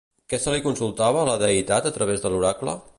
Què se li consultava a la deïtat a través de l'oracle?